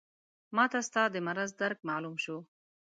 ماته ستا د مرض درک معلوم شو.